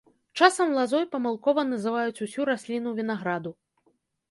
Часам лазой памылкова называюць усю расліну вінаграду.